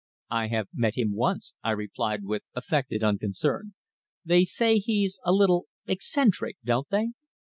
"I have met him once," I replied with affected unconcern. "They say he's a little eccentric don't they?"